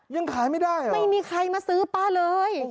ยังขายไม่ได้เหรอโอ้โฮ